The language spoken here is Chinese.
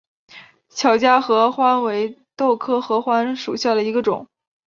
巧家合欢为豆科合欢属下的一个种。